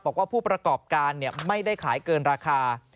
ผู้ประกอบการไม่ได้ขายเกินราคา